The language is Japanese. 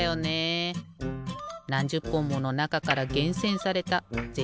なんじゅっぽんものなかからげんせんされたぜ